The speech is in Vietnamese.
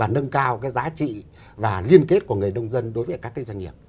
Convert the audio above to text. đào cái giá trị và liên kết của người nông dân đối với các cái doanh nghiệp